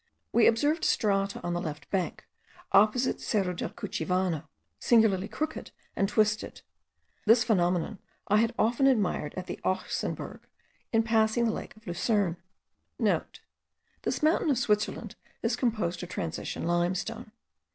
We observed strata on the left bank, opposite Cerro del Cuchivano, singularly crooked and twisted. This phenomenon I had often admired at the Ochsenberg, * in passing the lake of Lucerne. (* This mountain of Switzerland is composed of transition limestone.